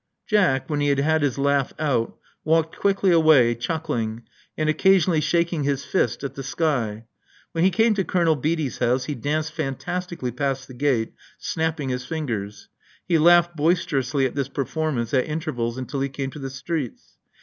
Jack, when he had had his laugh ofl^ walked quickly away, chuckling, and occasionally shaking his fist at the sky. When he came to Colonel Beatty's house, he danced fantastically past the gate, snapping his fingers. He laughed boisterously at this performance at inter vals until he came into the streets.